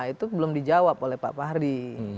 itu belum dijawab oleh pak fahri